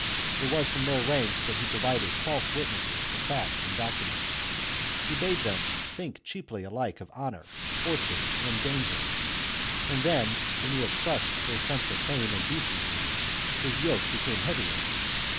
It was from their ranks that he provided false witnesses to facts and documents ; he bade them think cheaply alike of honour, fortune, and danger, and then, when he had crushed their sense of fame and decency, his yoke became heavier.